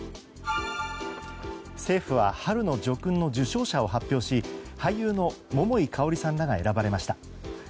政府は、春の叙勲の受章者を発表し俳優の桃井かおりさんらが選ばれました。